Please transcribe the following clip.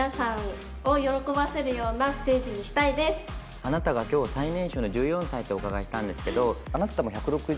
あなたが今日最年少の１４歳とお伺いしたんですけど１６０？